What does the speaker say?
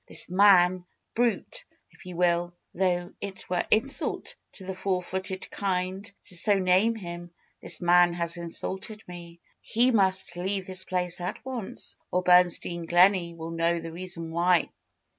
This man — brute! if you will, though it were insult to the four footed kind to so name him — this man has insulted me. He must leave this place at once, or Bernstein Gleney will know the reason why."